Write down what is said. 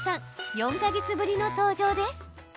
４か月ぶりの登場です。